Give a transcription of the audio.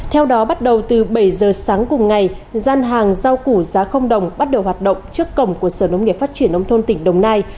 theo đó bắt đầu từ bảy giờ sáng cùng ngày gian hàng rau củ giá không đồng bắt đầu hoạt động trước cổng của sở nông nghiệp phát triển nông thôn tỉnh đồng nai